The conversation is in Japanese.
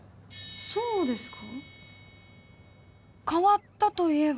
そうですか？